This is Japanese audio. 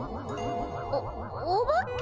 おお化け？